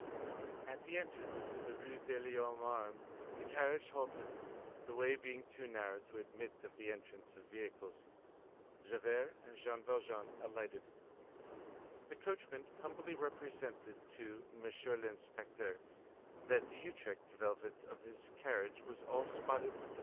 At the entrance to the Rue de l'Homme Armé, the carriage halted, the way being too narrow to admit of the entrance of vehicles. Javert and Jean Valjean alighted. The coachman humbly represented to "monsieur l'Inspecteur," that the Utrecht velvet of his carriage was all spotted with the blood of the assassinated man, and with mire from the assassin.